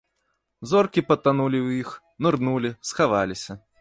Зоркі патанулі ў іх, нырнулі, схаваліся.